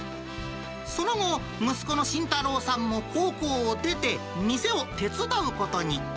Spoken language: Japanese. その後、息子の信太郎さんも高校を出て、店を手伝うことに。